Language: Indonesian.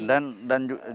dan juga memang adalah futil